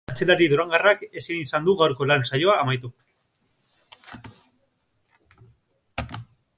Atzelari durangarrak ezin izan du gaurko lan saioa amaitu.